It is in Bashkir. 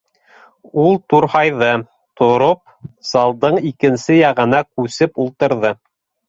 Ул турһайҙы, тороп, залдың икенсе яғына күсеп ултырҙы.